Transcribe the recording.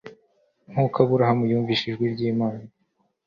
Nk'uko Aburahamu yumviye ijwi ry'Imana "